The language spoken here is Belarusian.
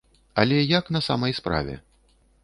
Але як на самай справе?